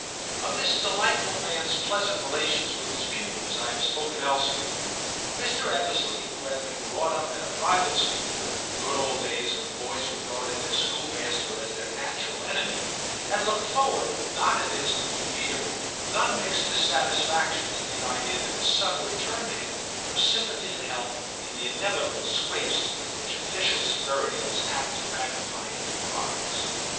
* Of this delightful man's pleasant relations with his pupils I have spoken elsewhere. Mr. Ebbesley, who had been brought up at a private school, and in the good old days when boys regarded their schoolmaster as their natural enemy, had looked forward, not, it is to be feared, with unmixed dissatisfaction, to the idea that his son would turn to him for sympathy and help in the inevitable scrapes which official severity was apt to magnify into crimes.